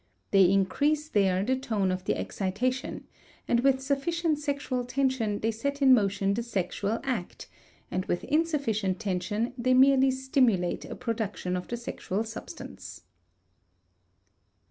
They increase there the tone of the excitation, and with sufficient sexual tension they set in motion the sexual act, and with insufficient tension they merely stimulate a production of the sexual substance.